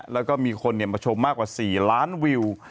แล้วก็มีคนมาชมมากกว่า๔ล้านวิว